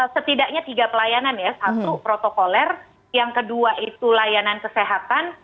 setidaknya tiga pelayanan ya satu protokoler yang kedua itu layanan kesehatan